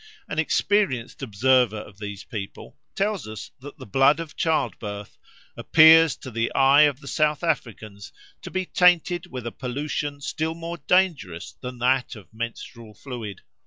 An experienced observer of these people tells us that the blood of childbirth "appears to the eyes of the South Africans to be tainted with a pollution still more dangerous than that of the menstrual fluid.